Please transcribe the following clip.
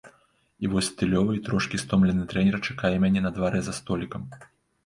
І вось стылёвы і трошкі стомлены трэнер чакае мяне на дварэ за столікам.